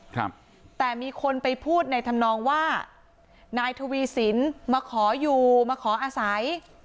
ครับแต่มีคนไปพูดในธรรมนองว่านายทวีสินมาขออยู่มาขออาศัย